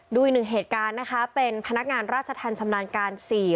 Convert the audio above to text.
ดูอีกหนึ่งเหตุการณ์นะคะเป็นพนักงานราชธรรมชำนาญการ๔